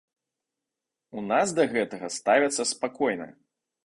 У нас да гэтага ставяцца спакойна.